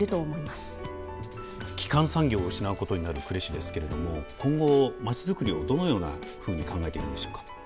基幹産業を失うことになる呉市ですけれども今後街づくりをどのようなふうに考えているのでしょうか。